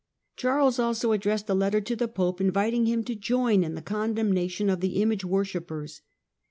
Charles also ad dressed a letter to the Pope, inviting him to join in the condemnation of the image worshippers.